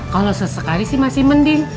kalau sesekali sih masih mending